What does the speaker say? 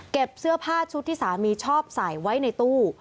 เสื้อผ้าชุดที่สามีชอบใส่ไว้ในตู้